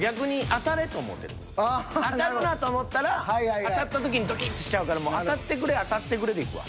「当たるな」と思ったら当たった時にドキッとしちゃうから「当たってくれ当たってくれ」でいくわ。